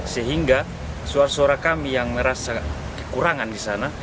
sehingga suara suara kami yang merasa kekurangan di sana